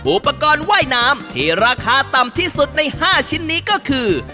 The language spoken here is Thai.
อุปกรณ์ว่ายน้ำที่ราคาต่ำที่สุดใน๕ชิ้นนี้ก็คือ